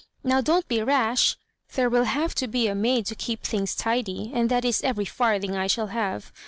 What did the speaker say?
VNow don't be rash; there will have to be a maid to keep things tidy, and that is every farthing I shall have.